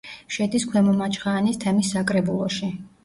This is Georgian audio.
შედის ქვემო მაჩხაანის თემის საკრებულოში.